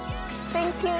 サンキュー。